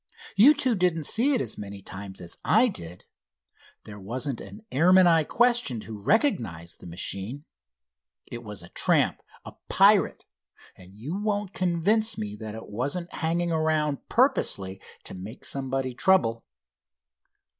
You two didn't see it as many times as I did. There wasn't an airman I questioned who recognized the machine. It was a tramp, a pirate, and you won't convince me that it wasn't hanging around purposely to make somebody trouble."